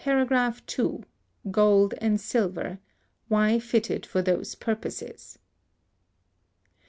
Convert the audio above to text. Gold and Silver, why fitted for those purposes.